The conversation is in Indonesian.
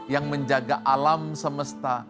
yang menjaga alam semesta